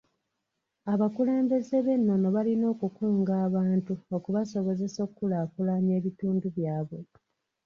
Abakulembeze b'ennono balina okukunga abantu okusobozesa okukulaakulanya ebitundu byabwe.